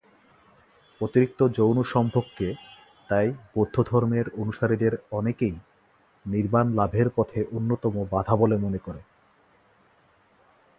অতিরিক্ত যৌনসম্ভোগকে তাই বৌদ্ধধর্মের অনুসারীদের অনেকেই নির্বান লাভের পথে অন্যতম বাধা বলে মনে করে।